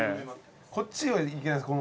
こっちはいけないっすか？